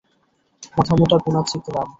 মাথা মোটা গুনাচিথরাম।